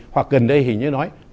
hoặc gần đây hình như nói